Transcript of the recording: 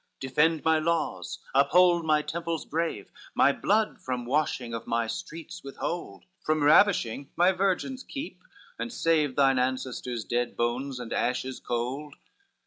XXVI "Defend my laws, uphold my temples brave, My blood from washing of my streets withhold, From ravishing my virgins keep, and save Thine ancestors' dead bones and ashes cold!